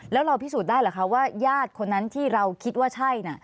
แล้วเราพิสูจน์ได้หรือคะว่าญาติคนนั้นที่เราคิดว่าใช่น่ะ